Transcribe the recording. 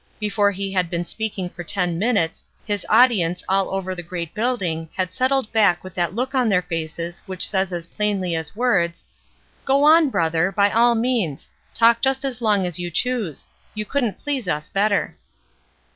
Before he had been speaking for ten minutes his audience all over the great building had settled back with that look on their faces which says as plainly as words, ''Go on, brother, by all means, talk just as long as you choose; you couldn't please us better."